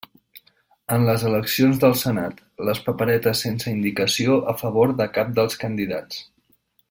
En les eleccions del Senat, les paperetes sense indicació a favor de cap dels candidats.